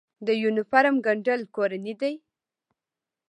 د یونیفورم ګنډل کورني دي؟